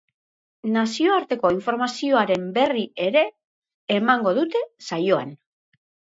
Nazioarteko informazioaren berri ere emango dute saioan.